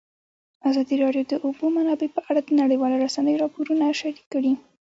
ازادي راډیو د د اوبو منابع په اړه د نړیوالو رسنیو راپورونه شریک کړي.